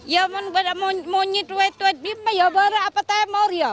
ya mau nyit wet wet bimpa ya baru apa temor ya